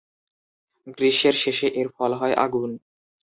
গ্রীষ্মের শেষে এর ফল হয় আগুন।